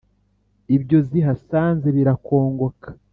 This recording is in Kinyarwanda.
ibyo zihasanze birakongoka.